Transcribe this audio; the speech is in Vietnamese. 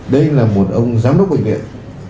đây là một ông giám đốc bệnh viện